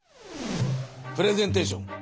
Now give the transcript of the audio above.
プレゼンテーション。